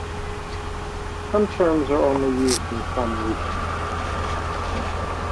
Some terms are only used in some regions.